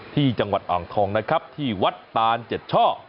ที่จังหวัดอ่างทองนะครับที่วัดตานเจ็ดช่อ